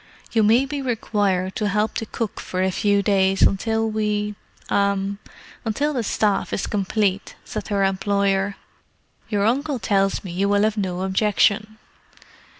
"You may be required to help the cook for a few days until we—er—until the staff is complete," said her employer. "Your uncle tells me you will have no objection."